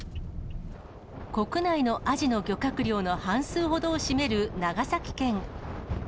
国内のアジの漁獲量の半数ほどを占める長崎県。